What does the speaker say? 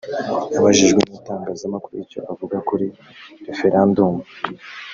Abajijwe n’itangazamakuru icyo avuga kuri referandumu